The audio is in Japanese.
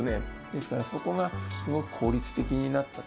ですから、そこがすごく効率的になった。